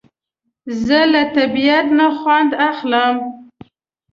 زه له طبیعت نه خوند اخلم